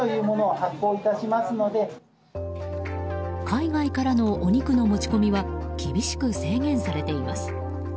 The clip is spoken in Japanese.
海外からのお肉の持ち込みは厳しく制限されています。